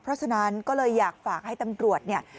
เพราะฉะนั้นก็เลยอยากฝากให้ตำรวจเนี่ย